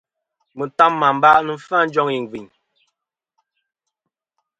Mɨtam mɨ amba ni-a vfɨ a njoŋ igvɨyn.